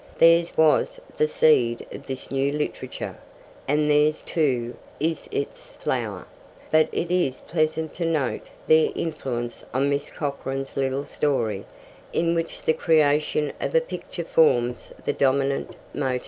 Theirs was the seed of this new literature, and theirs, too, is its flower; but it is pleasant to note their influence on Miss Corkran's little story, in which the creation of a picture forms the dominant motif.